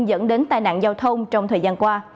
dẫn đến tai nạn giao thông trong thời gian qua